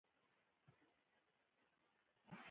د کافي معلوماتو نه لرلو په صورت کې.